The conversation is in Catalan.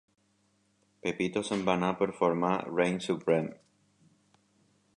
Pepito se'n va anar per formar Reign Supreme.